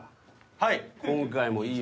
はい。